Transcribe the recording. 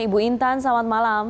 ibu intan selamat malam